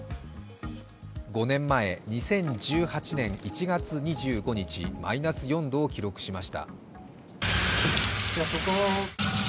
５年前、２０１８年１月２５日、マイナス４度を記録しました。